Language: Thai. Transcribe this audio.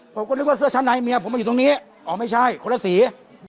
ผมก็นึกว่าเสื้อชั้นในเมียผมมาอยู่ตรงนี้อ๋อไม่ใช่คนละสี